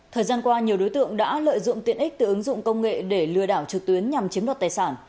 thời gian qua nhiều đối tượng đã lợi dụng tiện ích từ ứng dụng công nghệ để lừa đảo trực tuyến nhằm chiếm đoạt tài sản